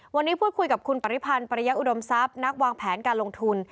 วันนี้พูดคุยกับคุณปริพันธ์ปริยะอุดมทรัพย์นักวางแผนการลงทุน